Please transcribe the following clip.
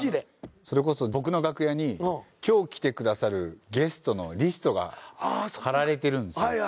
それこそ僕の楽屋に今日来てくださるゲストのリストが張られてるんですよ。